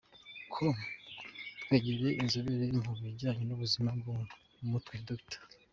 com twegereye inzobere mu bijyanye n’ubuzima bwo mu mutwe Dr.